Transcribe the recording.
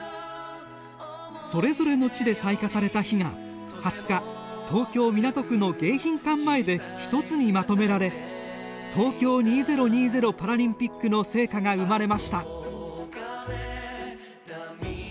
それぞれの地で採火された火が２０日、東京・港区の迎賓館前で一つにまとめられ東京２０２０パラリンピックの聖火が生まれました。